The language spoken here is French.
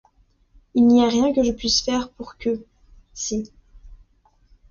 Il n’y a rien que je puisse faire pour que-- — Si.